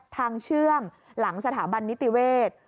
เชื่อมหลังสถาบันนิติเวศ